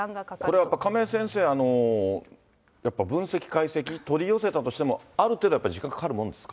これやっぱ亀井先生、やっぱり分析、解析、取り寄せたとしても、ある程度時間かかるものですか？